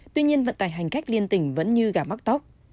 tuy nhiên vận tài hành khách liên tỉnh vẫn như gả mắc tóc